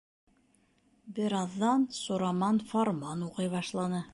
Бер аҙҙан Сураман фарман уҡый башланы.